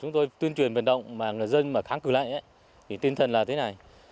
trong quá trình tuyên truyền vận động mà người dân kháng cử lại tinh thần là thế này